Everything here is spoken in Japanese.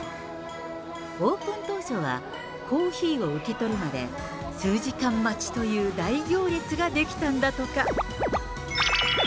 オープン当初はコーヒーを受け取るまで数時間待ちという大行列が出来たんだとか。